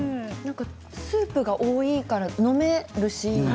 スープが多いからなんか飲めるし。